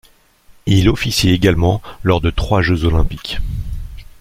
Il officie également lors de trois Jeux olympiques.